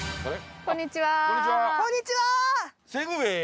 こんにちは。